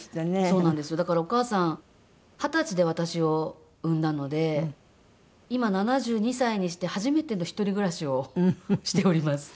だからお母さん二十歳で私を産んだので今７２歳にして初めての一人暮らしをしております。